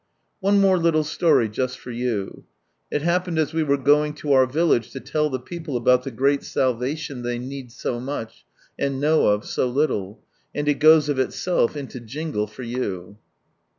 One more little story, just for you — it happened as we were going to our village to tell thep eopleabout the great salvation they need so much, and know of so little — and it goes of itself into jingle for you.